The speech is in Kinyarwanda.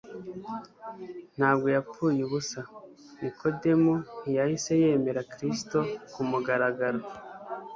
ntabwo yapfuye ubusa. Nikodemu ntiyahise yemera Kristo ku mugaragaro,